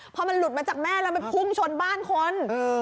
พอมันหลุดมาจากแม่แล้วไปพุ่งชนบ้านคน